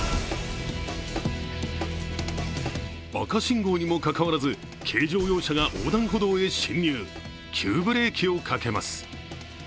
赤信号にもかかわらず軽乗用車が横断歩道へ進入急ブレーキをかけます。